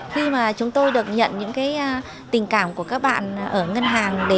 khi mà chúng tôi được nhận những tình cảm của các bạn ở ngân hàng